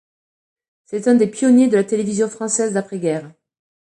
C'est un des pionniers de la télévision française d'après-guerre.